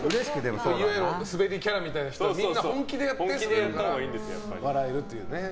スベりキャラみたいな人はみんな本気でやってるから笑えるというね。